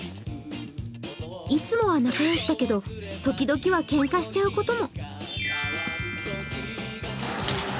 いつもは仲良しだけど、時々はけんかしちゃうことも。